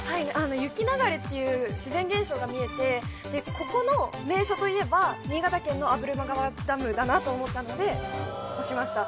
雪流れっていう自然現象が見えてここの名所といえば新潟県の破間川ダムだなと思ったので押しました